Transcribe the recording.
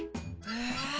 へえ。